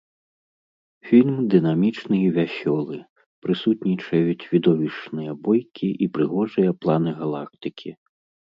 Фільм дынамічны і вясёлы, прысутнічаюць відовішчныя бойкі і прыгожыя планы галактыкі.